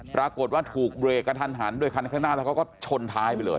ปรากฏว่าถูกเบรกกระทันหันด้วยคันข้างหน้าแล้วเขาก็ชนท้ายไปเลย